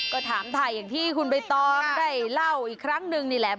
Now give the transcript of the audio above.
ก็ถามถ่ายอย่างที่คุณใบตองได้เล่าอีกครั้งนึงนี่แหละ